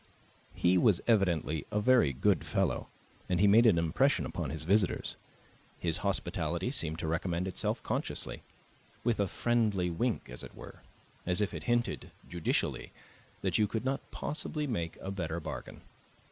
He was evidently a very good fellow, and he made an impression upon his visitors; his hospitality seemed to recommend itself consciously with a friendly wink, as it were as if it hinted, judicially, that you could not possibly make a better bargain.